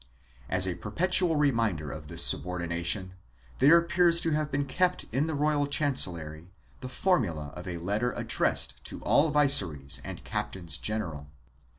1 As a perpetual reminder of this subordination, there appears to have been kept in the royal chancillery the formula of a letter addressed to all viceroys and captains general.